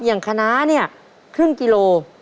อย่างคณะเนี่ยครึ่งกิโล